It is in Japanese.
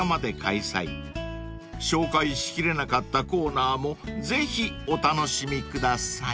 ［紹介しきれなかったコーナーもぜひお楽しみください］